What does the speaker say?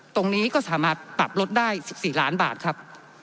ตรงนี้ก็สามารถปรับลดได้๑๔ล้านบาทครับ